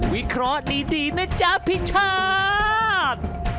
วิเคราะห์ดีนะจ๊ะพี่ชาติ